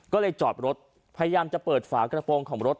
ก็เลยจอดรถพยายามจะเปิดฝากระโปรงของรถ